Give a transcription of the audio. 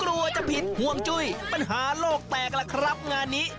กลัวจะผิดห่วงจุ้ยปัญหาโลกแตกล่ะครับงานนี้